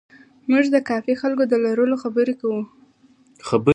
موږ د کافي خلکو د لرلو خبره کوو.